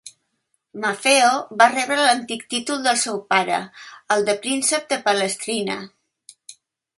Maffeo va rebre l'antic títol del seu pare, el de príncep de Palestrina.